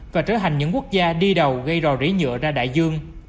và trở thành những quốc gia đi đầu gây rò rỉ nhựa ra đại dương